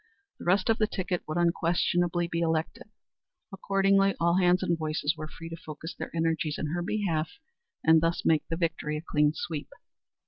The rest of the ticket would unquestionably be elected; accordingly all hands and voices were free to focus their energies in her behalf and thus make the victory a clean sweep.